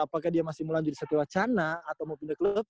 apakah dia masih mau lanjut di satu wacana atau mau pindah klub